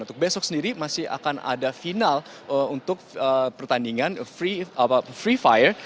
untuk besok sendiri masih akan ada final untuk pertandingan free fire